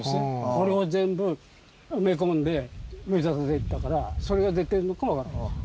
これを全部埋め込んで埋め立てていったからそれが出てるのかもわからない。